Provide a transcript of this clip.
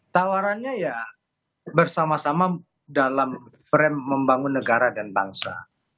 tawarannya ya bersama sama dalam frame membangun negara dan bangsa